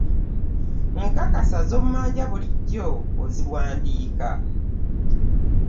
Nkakasa z'ommanja bulijjo oziwandiika.